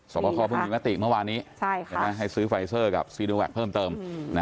บคอเพิ่งมีมติเมื่อวานนี้ให้ซื้อไฟเซอร์กับซีโนแวคเพิ่มเติม